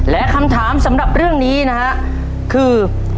และคำถามสำหรับเรื่องนี้นะฮะคือ